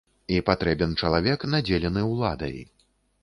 І патрэбен чалавек, надзелены уладай.